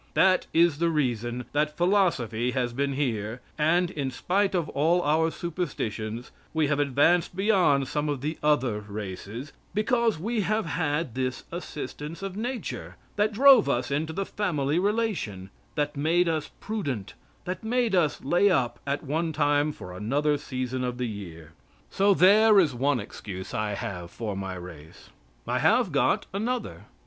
That is the reason that philosophy has been here, and, in spite of all our superstitions, we have advanced beyond some of the other races, because we have had this assistance of nature, that drove us into the family relation, that made us prudent; that made us lay up at one time for another season of the year. So there is one excuse I have for my race. I have got another.